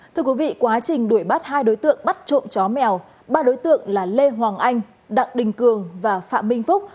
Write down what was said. thưa quý vị quá trình đuổi bắt hai đối tượng bắt trộm chó mèo ba đối tượng là lê hoàng anh đặng đình cường và phạm minh phúc